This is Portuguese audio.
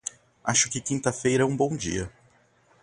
Acho que quinta-feira é um bom dia.